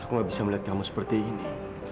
aku gak bisa melihat kamu seperti ini